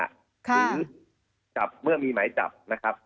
หรือจับเมื่อมีหมายจับนะครับ